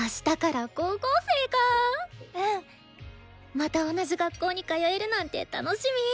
また同じ学校に通えるなんて楽しみ。